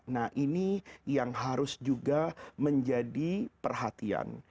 nah ini yang harus juga menjadi perhatian